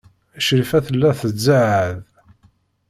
Crifa tella tzeɛɛeḍ.